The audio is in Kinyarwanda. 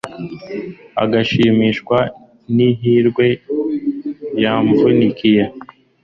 agashimishwa n'ihirwe yavunikiye